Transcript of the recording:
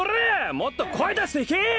もっと声出していけ！